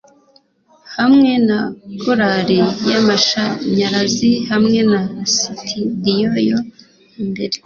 hamwe na korali yamashanyarazi hamwe na sitidiyo ya amber